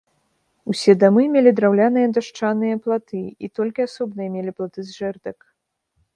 Усе дамы мелі драўляныя дашчаныя платы, і толькі асобныя мелі платы з жэрдак.